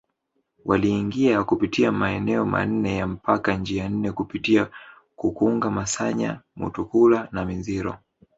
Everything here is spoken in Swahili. Waliingia kupitia maeneo manne ya mpaka njia nne kupitia Kukunga Masanya Mutukula na Minziro